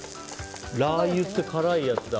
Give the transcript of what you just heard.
ラー油って辛いやつで。